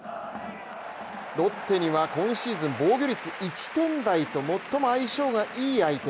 ロッテには今シーズン防御率１点台という最も相性のいい相手。